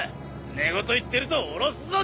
寝言言ってるとおろすぞ！